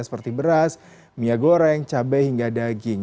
seperti beras minyak goreng cabai hingga daging